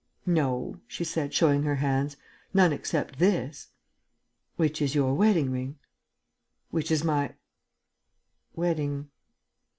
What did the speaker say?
"No," she said, showing her hands, "none except this." "Which is your wedding ring?" "Which is my ... wedding